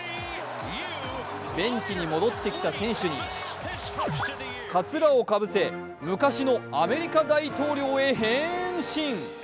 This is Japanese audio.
ベンチに戻ってきた選手にかつらをかぶせ昔のアメリカ大統領へ変身。